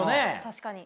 確かに。